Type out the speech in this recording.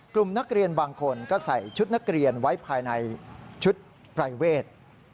กลุ่มนักเรียนบางคนก็ใส่ชุดนักเรียนไว้ภายในชุดปรายเวท